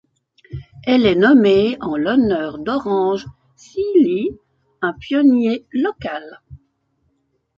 Elle est nommée en l'honneur d'Orange Seely, un pionnier local.